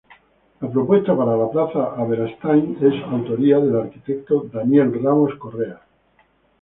La propuesta para la Plaza Aberastain es autoría del arquitecto Daniel Ramos Correas.